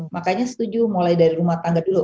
makanya setuju mulai dari rumah tangga dulu